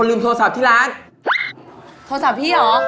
เอาดี